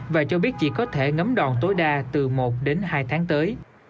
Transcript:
và cho biết chỉ có thể ngấm đòn tối đa từ một đến hai tháng tới